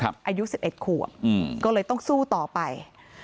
อายุ๑๑ขวบก็เลยต้องสู้ต่อไป